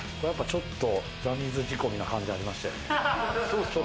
ちょっとジャニーズ仕込みな感じありましたよね。